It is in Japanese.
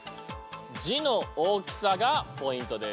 字の大きさがポイントです。